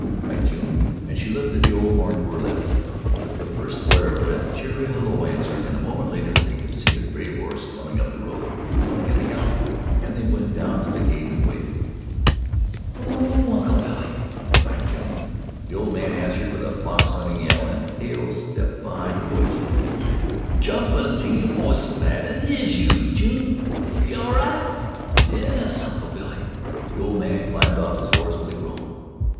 cried June, and she lifted the old horn to her lips. With the first blare of it, a cheery halloo answered, and a moment later they could see a gray horse coming up the road coming at a gallop, and they went down to the gate and waited. "Hello, Uncle Billy" cried June. The old man answered with a fox hunting yell and Hale stepped behind a bush. "Jumping Jehosophat is that you, June? Air ye all right?" "Yes, Uncle Billy." The old man climbed off his horse with a groan.